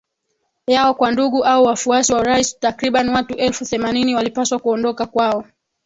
yao kwa ndugu au wafuasi wa rais Takribani watu elfu themanini walipaswa kuondoka kwao